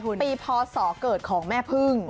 ปีพศเกิดของแม่พึ่ง